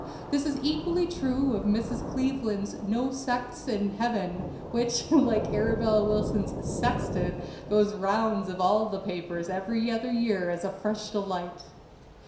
This is equally true of Mrs. Cleaveland's "No Sects in Heaven," which, like Arabella Wilson's "Sextant," goes the rounds of all the papers every other year as a fresh delight.